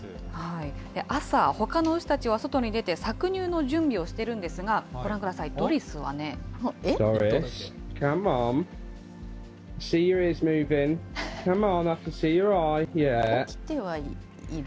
朝、ほかの牛たちは外に出て搾乳の準備をしてるんですが、ご起きてはいる？